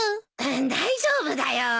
大丈夫だよ。